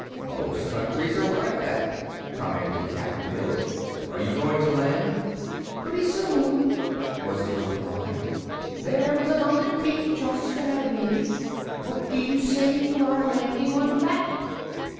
"Most countries are like that," commented Cap'n Bill. "Are you going to land?" "Pretty soon," was the reply. "There is a mountain peak just ahead of me. What do you say to our landing on that?"